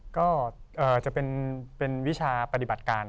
ก็จะเป็นวิชาปฏิบัติการ